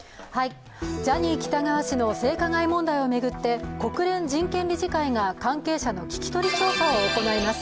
ジャニー喜多川氏の性加害問題を巡って国連人権理事会が関係者の聴き取り調査を行います。